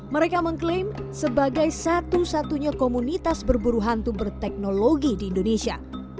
mereka mengklaim sebagai satu satunya komunitas berburu hantu berteknologi di indonesia